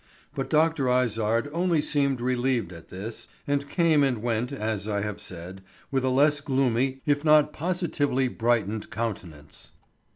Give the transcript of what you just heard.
But Dr. Izard only seemed relieved at this and came and went, as I have said, with a less gloomy if not positively brightened countenance.